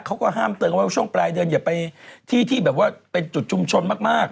เขาก็ห้ามเติมว่าช่วงปลายเดือนอย่าไปที่ที่แบบว่าเป็นจุดชุมชนมาก